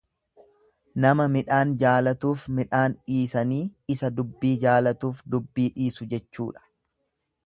Nama midhaan jaalatuuf midhaan dhisanii isa dubbii jaalatuuf dubbii dhiisu jechuudha.